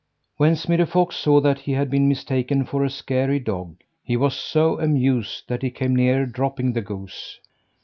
When Smirre Fox saw that he had been mistaken for a scary dog, he was so amused that he came near dropping the goose.